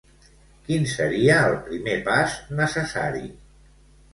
Quin seria el primer pas necessari?